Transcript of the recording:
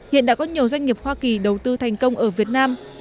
hiện đã có nhiều doanh nghiệp hoa kỳ đầu tư thành công ở việt nam